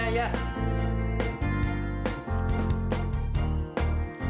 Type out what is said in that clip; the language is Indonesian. ada kebo ada kebo ada kebo ada kebo